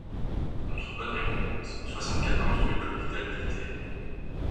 contre bonne récompense, soixante-quatorze, rue de l'Hôpital-Militaire.